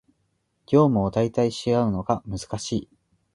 業務を代替し合うのが難しい